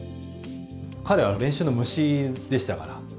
彼はもう練習の虫でしたから。